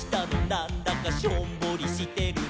なんだかしょんぼりしてるね」